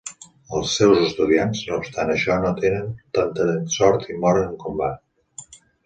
Els seus estudiants, no obstant això, no tenen tanta sort i moren en combat.